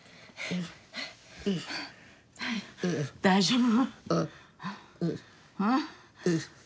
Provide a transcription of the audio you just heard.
大丈夫？